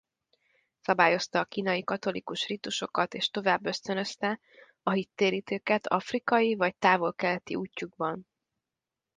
Szabályozta a kínai katolikus rítusokat és tovább ösztönözte a hittérítőket afrikai vagy távol-keleti útjukban.